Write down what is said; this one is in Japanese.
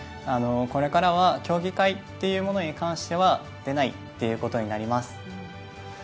これからは競技会というものに関しては出ないっていうことになります。